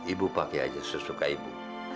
ibu pakai aja sesuka ibu